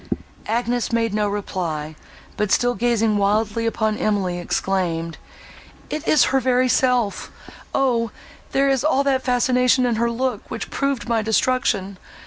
Agnes made no reply; but, still gazing wildly upon Emily, exclaimed, "It is her very self! Oh! there is all that fascination in her look, which proved my destruction!